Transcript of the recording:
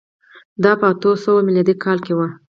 دا په اتو سوه میلادي کال کې و